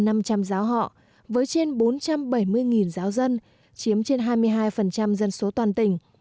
nam định có gần sáu trăm linh nhà thờ trên một trăm bốn mươi giáo sứ hơn năm trăm linh giáo họ với trên bốn trăm bảy mươi giáo dân chiếm trên hai mươi hai dân số toàn tỉnh